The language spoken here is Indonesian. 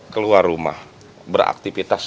keluar rumah beraktifitas